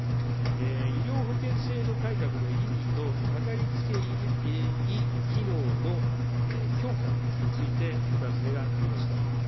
医療保険制度改革の意義とかかりつけ医機能の強化についてお尋ねがありました。